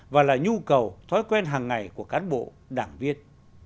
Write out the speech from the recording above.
và là nhu cầu thói quen hàng ngày của cán bộ đảng viên